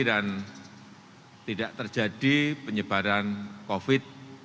dan tidak terjadi penyebaran covid sembilan belas